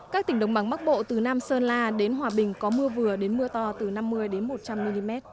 các tỉnh đồng bằng bắc bộ từ nam sơn la đến hòa bình có mưa vừa đến mưa to từ năm mươi một trăm linh mm